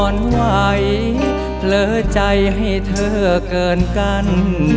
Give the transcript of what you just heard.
ไหวเผลอใจให้เธอเกินกัน